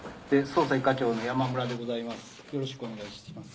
捜査１課長のやまむらでございます。